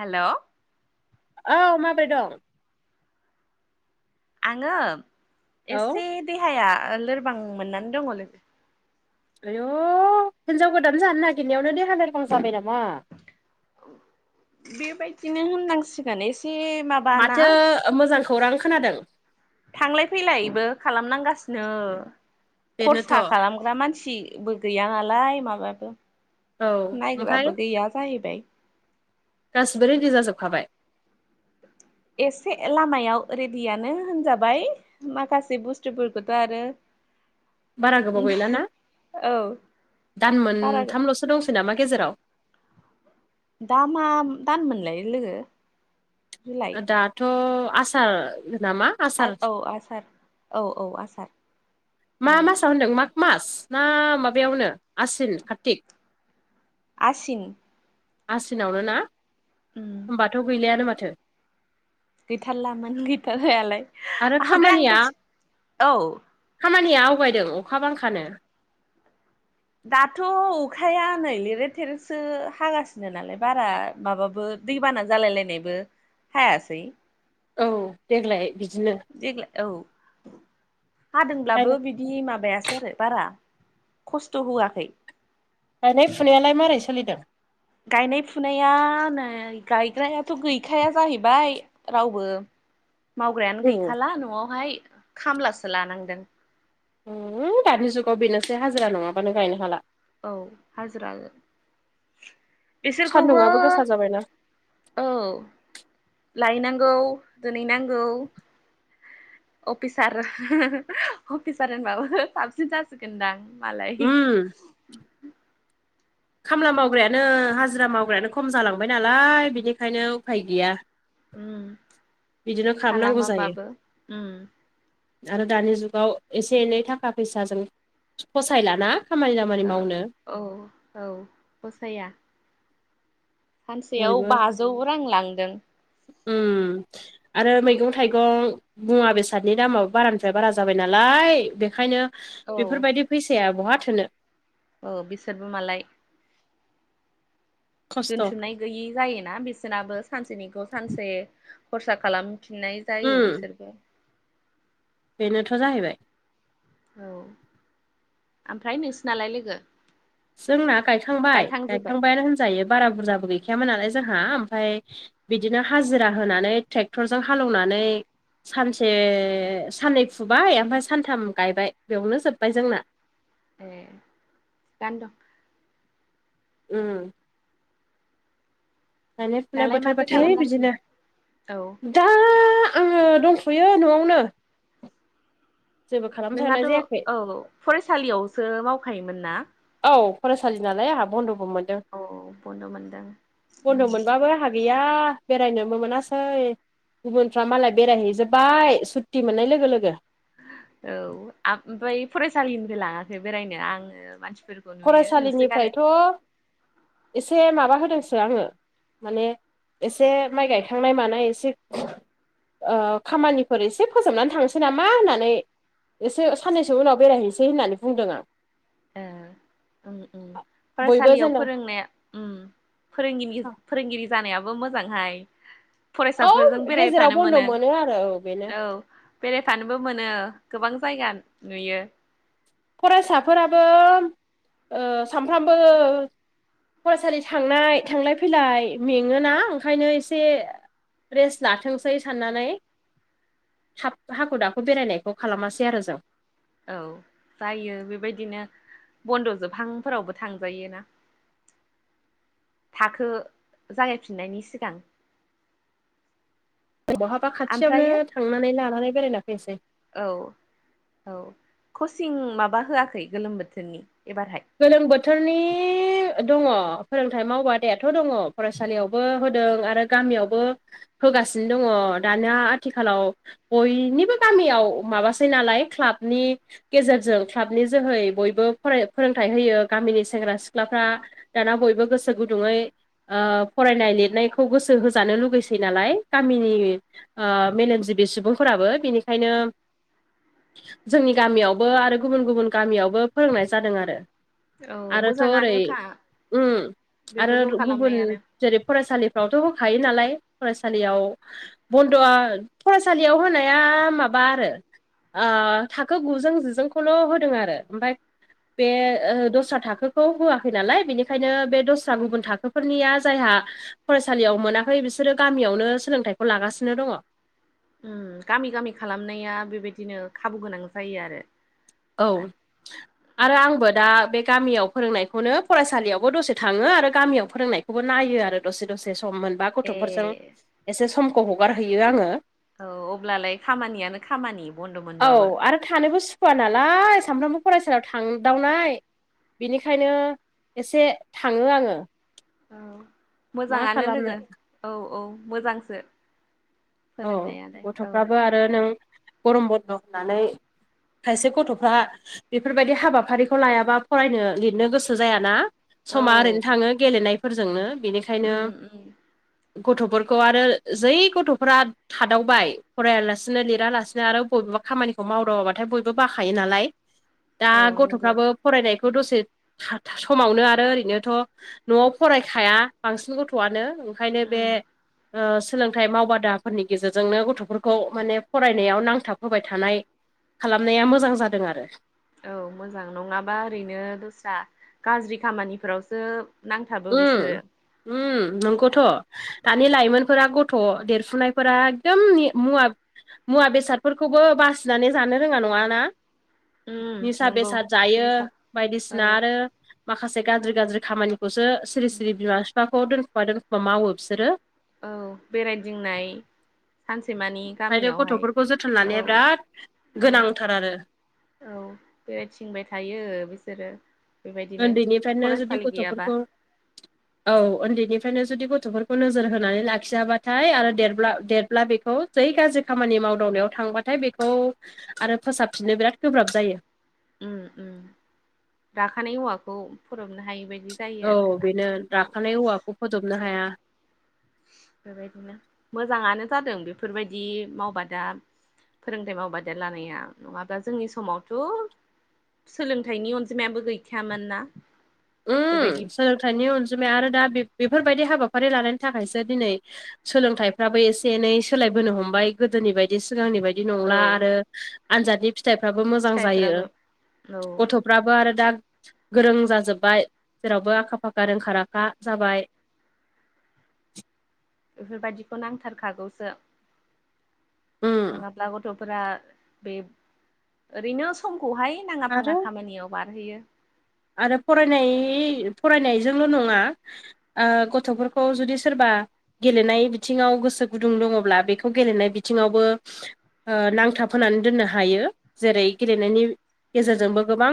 हेल'। औ माबोरै दं। आङो औ एसे देहाया लोरबां मोननानै दङ लोगो आय' हिनजाव गोदान जानो नागिरनायावनो देहा लोरबां जाबाय नामा? बेबायदिनो होननांसिगोन एसे माबा माथो मोजां खौरां खोनादों। थांलाय फैलायबो खालामनांगासिनो बेनोथ' खरसा औ खालाम ग्रा मानसिबो गैया नालाय माबायाबो ओमफ्राय नायग्राबो गैया जाहैबाय। गासिबो रेडि जाजोबखाबाय। एसे लामायाव रेडियानो होनजाबाय। माखासे बुस्थुफोरखौथ' आरो बारा गोबाव गैला ना औ दान बारा मोनथामल'सो दंसै नामा गेजेराव दा मा दान मोनलाय लोगो जुला दाथ' आसार नामा? आसार औ आसार औ औ आसार। मा औ मासाव होनदों माग मास ना माबायावनो आसिन कारतिक आसिन आसिनावनो ना होनबाथ' गैलायानो माथो गैथारलामोन गैथारहायालाय आरो ओमफ्राय खामानिया आंथ' औ खामानिया आवगायदों अखा बांखानो दाथ' अखाया नै लेरे थेरेसो हागासिनो नालाय बारा माबाबो दैबाना जालायलायनायबो हायासै औ देग्लाय बिदिनो देग्लाय औ दाइन हादोंब्लाबो बिदि बि माबायासो आरो बारा खस्थ' होआखै। गायनाय फुनायालाय मारै सोलिदों। गायनाय फुनाया नै गायग्रायाथ' गैखाया जाहैबाय। रावबो मावग्रायानो गैखाला न'आवहाय खामलासो लानांदों। दानि जुगाव बेनोसै हाजिरा नङाबानो गायनो हाला। औ हाजिर बिसोरखौबो सान्दुंआबो गोसा जाबायना। औ लायनांगौ दोनहैनांगौ। अफिसार अफिसार होन माबाो साबसिन जासिगोनदां। मालाय। उम खामला मावग्रायानो हाजिरा मावग्रायानो खम जालांबाय नालाय बिनिखायनो उफाय गैया। बिदिनो खालामनांगौ जायो खालामाबाबो। आरो दानि जुगाव एसे एनै थाखा फैसाजों फसायलाना खामानि दामानि मावनो। औ औ फसाया। सानसेयाव बयबो बाजौ रां लांदों। आरो मैगं थाइगं। मुवा बेसादनि दामाबो बारानिफ्राय बारा जाबाय नालाय बेखायनो। औ बेफोरबायदि फैसाया बहा थो औ बिसोरबो मालाय खस्थ' दोनथुमनाय गैयि जायोना बिसोरनाबो सानसेनिखौ सानसे खरसा खालामफिननाय उम जायो बिसोरबो बेनोथ' जाहैबाय औ ओमफ्राय नोंसिनालाय लोगो जोंना गायखांबाय गायखांजोब्बाय गायखांबायानो होनजायो बारा बुरजाबो गैखायामोन नालाय जोंहा ओमफ्राय बिदिनो हाजिरा होनानै ट्रेक्टरजों हालेवनानै सानसे साननै फुबाय ओमफ्राय सानथाम गायबाय बेयावनो जोब्बाय जोंना। ए दानो दं उम ओम मानना दालाय बोथोर माथो फाथ बिदिनो खालामगासिनो औ दा आङो दंथ'यो न'आवनो जेबो खालामथ'नाय जायाखै नोंनााथ' औ फरायसालियावसो मावखायोमोन ना औ फरायसालि नालाय आंहा बन्द'बोमोन। औ बन्द' मोनदों। बन्द' मोनबाबो आंहा गैया बेरायनोबो मोनासै। गुबुनफ्रा मालाय बेरायहैजोबबाय सुटि मोननाय लोगो लोगो औ ओमफ्राय फरायसालिनिफ्राय लाङाखै बेरायनो आङो मानसि। फरायसालिनिफ्रायथ' एसे माबा होदोंसो आङो। माने एसे माइ गायखांनाय मानाय एसे खामानिफोर एसे फोजोबनानै थांनोसै नामा होननानै। एसे साननैसो उनाव बेरायहैनोसै होननानै बुंदों आं। बयबो फरायसालियाव जेन' फोरोंनाया फोरोंगिरि फोरोंगिरि जानायाबो मोजांहाय। औ फरायसाफोरजों गेजेराव बेरायफानो बन्द' मोनो आरो बेनो औ बेरायफानोबो मोनो गोबां जायगा नुयो। फरायसाफोराबो सामफ्रामबो फरायसालि थांनाय थांलाय फैलाय मेङोना ओंखायनो एसे। रेस्ट लाथोंसै साननानै। हाब हाखु दाखु बेरायनायखौ खालामासै आरो जों औ जायो बेबायदिनो बन्द'जोबहांफोरावबो थांजायो ना थाखो जागायफिननायनि सिगां बहाबा खाथियावनो ओमफ्रायो थांनानै लानानै बेरायला फैनोसै औ औ कचिं माबा होआखै गोलोम बोथोरनि एबारहाय। गोलोम बोथोरनि दङ फोरोंथायाइ मावबादायाथ' दङ फरायसालियावबो होदों आरो। गामियावबो होगासिनो दङ दानिया आथिखालाव। बयनिबो गामियाव माबासै नालाय क्लाबनि। गेजेरजों क्लाबनि जोहै बयबो फराय फोरोंथाइ होयो गामिनि सेंग्रा सिख्लाफ्रा दाना बयबो गोसो गुदुङै। फरायनाय लिरनायखौ गोसो होजानो लुगैसै नालाय गामिनि मेलेमजिबि सुबुंफोराबो बेनिखायनो जोंनि गामियावबो आरो गुबुन गुबुन गामियावबो फोरोंनाय जादों आरो औ आरोथ' ओरै मोजाङानोखा आरो बेफोरखौ गुबुन खालामनायानो जेरै फरायसालिफ्रावथ' होखायो नालाय फरायसालियाव बन्द'आ फरायसालियाव होनाया माबा आरो। थाखो गुजों जिजोंखौल' होदों आरो ओमफ्राय। बे दस्रा थाखोखौ होआखै नालाय बेनिखायनो बे दस्रा गुबुन थाखोफोरनिया जायहा फरायसालियाव मोनाखै बिसोरो गामियावनो सोलोंथाइखौ लागासिनो दङ। गामि गामि खालामनाया बेबायदिनो खाबु गोनां जायो आरो। औ आरो आंबो दा बे गामियाव फोरोंनायखौनो फरायसालियावबो दसे थाङो आरो गामियाव फोरोंनायखौ खौबो नायो आरो दसे दसे सम मोनबा ए गथ'फोरजों एसे समखौ हगारहैयो आङो। औ अब्लालाय खामानियानो खामानि बन्द' औ मोनबाबो। आरो थानोबो सुखुवा नालाय सामफ्रामबो फरायसालियाव थांदावनाय। बिनिखायनो एसे थाङो आङो। औ मा मोजाङानो खालामनो लोगो औ औ मोजांसो औ फोरोंनायालाय औ गथ'फ्राबो आरो नों गरम बन्द' होननानै खायसे गथ'फ्रा बेफोरबायदि हाबाफारिखौ लायाबा फरायनो लिरनो गोसो जायाना। औ समा ओरैनो थाङो गेलेनायफोरजोंनो बिनिखायनो उम उम गथ'फोरखौ आरो जै गथ' फोरा थादावबाय फरायलासिनो लिरा लासिनो आरो बबेबा खामानिखौ मावदावाबाथाय बयब बबो बाखायो नालाय दा औ नंगौ गथ'फ्राबो फरायनायखौ दसे समावनो आरो ओरैनोथ' न'आव फरायखाया बांसिन गथ'आनो। ओंखायनो बे उम ओ सोलोंथाइ मावबादा फोरनि गेजेरजोंनो गथ'फोरखौ माने फरायनायाव नांथाब होबाय थानाय खालामनाया मोजां जादों आरो। औ मोजां नङाबा ओरैनो दस्रा गाज्रि खामानिफोरावसो नांथाबो उम बिसोरो उम नंगौथ' दानि लाइमोनफोरा गथ' देरफुनायफोरा एकदम मुवा मुवा बेसादफोरखौबो बासिनानै जानो रोङा नङा ना? उम निसा नंगौ बेसाद जायो नेसा बायदिसिना औ आरो माखासे गाज्रि गाज्रि खामानिखौसो सिरि सिरि बिमा बिफाखौ दोनखुबा दोनखुबा मावो बिसोरो। औ बेरायदिंनाय सानसेमानि ओंखायनो गामियावहाय गथ'फोरखौ जोथोन औ लानाया बिराद औ गोनांथार आरो औ बेराय थिंबाय थायो बिसोरो। बेबायदिनो उन्दैनिफ्रायनो जुदि फरायसालि गैयाबा गथ'फोरखौ औ उन्दैनिफ्रायनो जुदि गथ'फोरखौ नोजोर होनानै लाखियाबाथाय आरो दे देरब्ला बेखौ जै गाज्रि खामानि मावदावनायाव थांबाथाय बेखौ आरो फोसाबफिननो बिराद गोब्राब जायो। गाखानाय औवाखौ फदबनो हायि बायदि जायो औ आरोना बेनो औ औ राखाानाय औवाखौ फोदबनो हाया बेबायदिनो मोजाङानो जादों बेफोरबायदि मावबादा फोरोंथायाइ मावबादेर लानाया नङाब्ला जोंनि समावथ' सोलोंथाइनि अनजिमायाबो गैखायामोन ना? बेबायदि उम सोलोंथाइनि अनजिमाया आरो दा बे बेफोरबायदि हाबाफारि लानायनि थाखायसो दिनै सोलोंथाइफ्राबो एसे एनै सोलायबोनो हमबाय गोदोनि बायदि बिदि सिगांनि बायदि औ नंला आरो आनजादनि फिथाइफ्राबो मोजां जायो फिथाइफोराबो औ गथ' फ्राबो आरो दा गोरों जाजोबबाय जेरावबो आखा फाखा रोंखा राखा जाबाय। बेफोरबायदिखौ नांथारखागौसो उम नङाब्ला गथ' फोरा बे ओरैनो समखौहाय नाङा आरो फाङा खामानियाव बारहोयो। आरो फरायनाय फरायनायजोंल' नङा। ओ गथ'फोरखौ जुदि सोरबा गेलेनाय बिथिङाव गोसो गुदुं दङब्ला बेखौ गेलेनाय बिथिङावबो ओ नांथाब होनोनानै दोननो हायो जेरै गेलेनायनि उम गेजेरजोंबो गोबां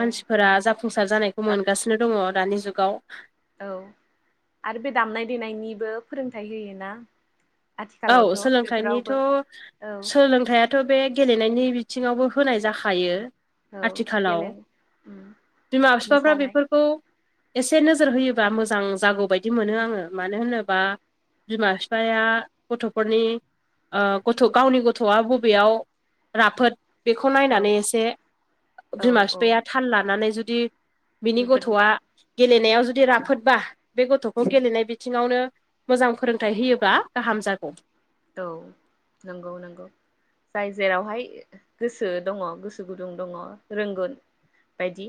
औ जाफुंसार जानायखौ मोनगासिनो दङ दानि जुगाव। औ आरो बे दामनाय देनायनिबो फोरोंथाइ होयो ना। औ सोलोंथाइनिथ' औ सोलोंथाइया थ' बे गेलेनायनि बिथिङावबो होनाय जाखायो औ आथिखालाव गेलेनो उम बिमा फिफाफ्रा मोसानाय बेफोरखौ एसे नोजोर होयोबा मोजां जागौ बायदि मोनो आङो मानो होनोबा बिमा फिफाया गथ'फोरनि ओ गथ' गावनि गथ'आ बबेयाव राफोद बेखौ औ नायनानै एसे औ बिमा औ बिफाया थाल लानानै जुदि बिनि बेफोर गथ'आ गेलेनायाव जुदि राफोदबा बे गथ'खौ गेलेनाय बिथिङावनो मोजां फोरोंथाइ होयोबा गाहाम जागौ औ नंगौ नंगौ जाय जेरावहाय गोसो दङ गोसो गुदुं दङ रोंगोन बायदि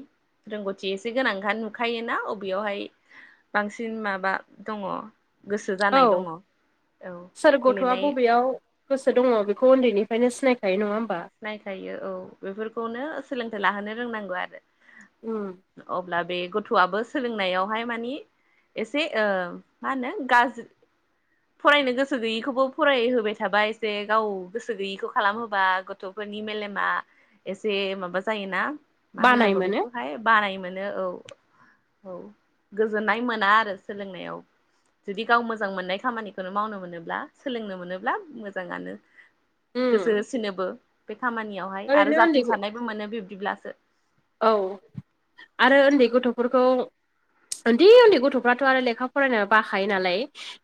रोंग'थि एसे गोनां नुखायोना अबेयावहाय बांसिन माबा दङ गोसो औ जानाय दङ औ सोर गथ'वा गेलेनाय बबेयाव गोसो दङ बेखौ ओन्दैनिफ्रायनो सिनायखायो नङा होमबा सिनायखायो औ बेफोरखौनो सोलोंथाइ लाहोनो रोंनांगौ आरो उम अब्ला बे गथ'वाबो सोलोंनायावहाय मानि एसे ओ मा होनो गाज्रि फरायनो गोसो गैयैखौबो फरायहोबाय थाबाय एसे गाव गोसो गैयिखौ खालामहोबा ग थ'फोरनि मेलेमा एसे माबा जायोना मा बानाय होननांगौ मोनो बेखौहाय बानाय मोनो औ औ गोजोननाय मोना आरो सोलोंनायाव जुदि गाव मोजां मोननाय खामानिखौनो मावनो मोनोब्ला सोलोंनो मोनोब्ला मोजाङानो गोसो उम होसिनोबो बे खामानियावहाय आरो ओरैनो उन्दै जाफुंसारनायबो मोनो बिब्दिब्लासो औ आरो ओन्दै गथ'फोरखौ ओन्दि उन्दै गथ'फ्राथ' आरो लेखा फरायनो बाखायो नालाय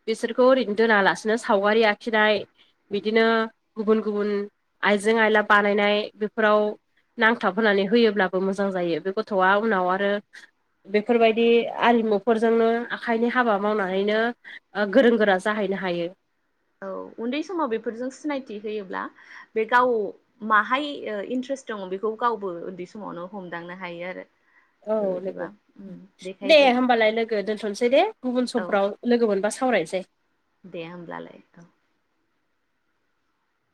बिसोरखौ ओरैनो दोनालासिनो सावगारि आखिनाय बि बिदिनो गुबुन गुबुन आइजें आयला बानायनाय बेफोराव नांथाबहोनानै होयोब्लाबो मोजां जायो बे गथ'वा उनाव आरो बेफोरबायदि आरिमुफोरजोंनो आखाइनि हाबा मावनानैनो ओ गोरों गोरा जाहैनो हायो औ उन्दै समाव बेफोरजों सिनायथि होयोब्ला बे गाव माहाय ओ इन्ट्रेस्ट दङ बेखौ गावबो ओन्दै समावनो हमदांनो हायो आरो औ बेबायदिबा लोगो उम दे देखायदो होमबालाय लोगो दोन्थ'नसै दे गुबुन औ समफ्राव लोगो मोनबा सावरायसै दे होमब्लालाय औ